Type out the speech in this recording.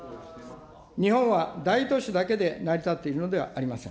日本は大都市だけで成り立っているのではありません。